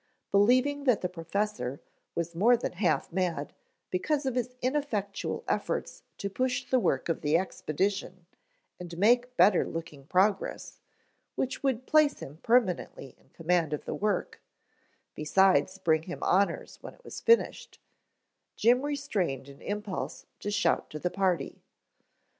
Believing that the professor was more than half mad because of his ineffectual efforts to push the work of the expedition and make better looking progress which would place him permanently in command of the work, besides bring him honors when it was finished, Jim restrained an impulse to shout to the party.